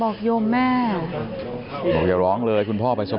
ลูกชายวัย๑๘ขวบบวชหน้าไฟให้กับพุ่งชนจนเสียชีวิตแล้วนะครับ